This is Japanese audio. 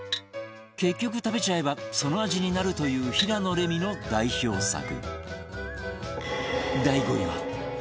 結局食べちゃえばその味になるという平野レミの代表作